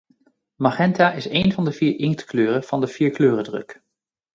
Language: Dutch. Magenta is een van de vier inktkleuren van de vierkleurendruk.